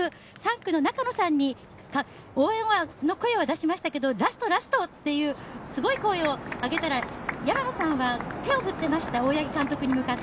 ３区の中野さんに応援の声は出しましたがラスト、ラスト！っていうすごい声を上げたら山野さんは手を振っていました。